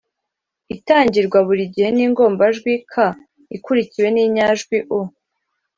itangirwa buri gihe n’ingombajwi «k» ikurikiwe n’inyajwi«u»